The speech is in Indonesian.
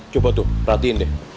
coba tuh perhatiin deh